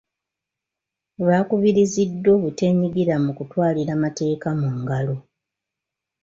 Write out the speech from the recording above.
Baakubiriziddwa obuteenyigira mu kutwalira mateeka mu ngalo.